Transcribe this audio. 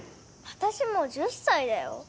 私もう１０歳だよ？